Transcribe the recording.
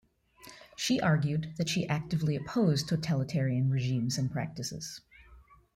She argued that she actively opposed totalitarian regimes and practices.